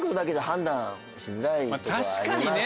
確かに。